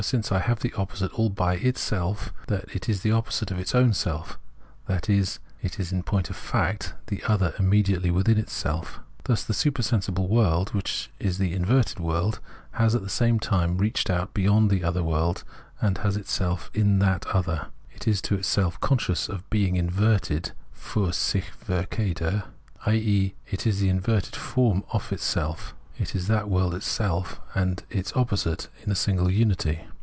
since I have here the opposite all by itself, it is the opposite of its own self, that is, it has in point of fact the other immediately within itself. Thus the super sensible world, which is the inverted world, has at the same time reached out beyond the other world and has in itself that other ; it is to itself conscious of being inverted {fiir sick verhelirte), i.e. it is the inverted form of itself ; it is that world itself and its opposite in a single unity.